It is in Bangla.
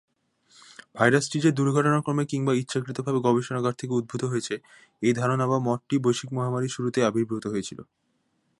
ভাইরাসটি যে দুর্ঘটনাক্রমে কিংবা ইচ্ছাকৃতভাবে গবেষণাগার থেকে উদ্ভূত হয়েছে, এই ধারণা বা মতটি বৈশ্বিক মহামারীর শুরুতেই আবির্ভূত হয়েছিল।